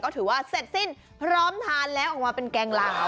ก็ถือว่าเสร็จสิ้นพร้อมทานแล้วออกมาเป็นแกงลาว